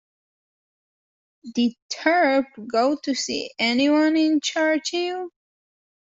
Did Thorpe go to see any one in Churchill.